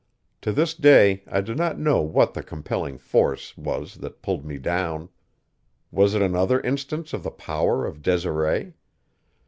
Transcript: To this day I do not know what the compelling force was that pulled me down. Was it another instance of the power of Desiree?